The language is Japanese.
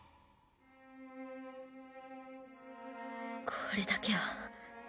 これだけは。